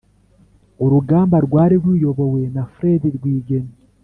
Urugamba rwari ruyobowe na Fred Rwigema